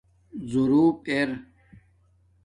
زݸرُوپ اِر